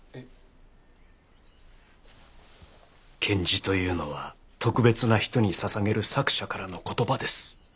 献辞というのは特別な人に捧げる作者からの言葉です。